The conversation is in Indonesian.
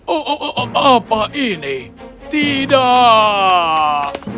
oh apa ini tidak